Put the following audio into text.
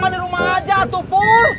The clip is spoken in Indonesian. di rumah aja tuh pur